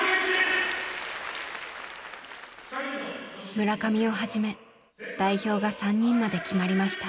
村上をはじめ代表が３人まで決まりました。